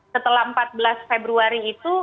setelah empat belas februari itu